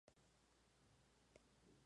Su padre es el político Felipe Alcaraz.